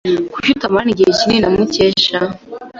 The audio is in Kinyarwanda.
Kuki utamarana igihe kinini na Mukesha?